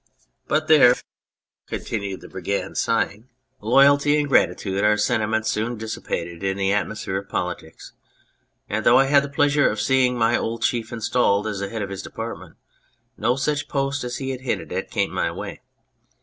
But there '" continued the 189 On Anything Brigand, sighing, " loyalty and gratitude are senti ments soon dissipated in the atmosphere of politics, and though I had the pleasure of seeing my old chief installed as the head of his department, no such post as he had hinted at came my way.